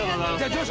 女子。